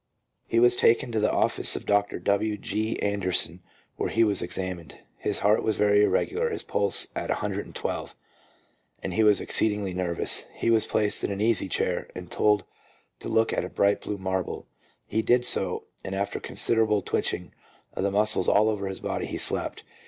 He was taken to the office of Dr. W. G. Anderson, where he was examined. His heart was very ir regular, his pulse at 112, and he was exceedingly nervous. He was placed in an easy chair, and told to look at a bright blue marble. He did so, and after considerable tw r itching of the muscles all over his body, he slept.